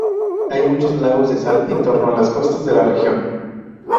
Hay muchos lagos de sal en torno a las costas de la región.